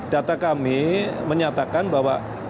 data kami menyatakan bahwa